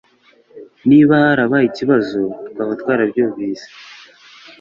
Niba harabaye ikibazo twaba twarabyumvise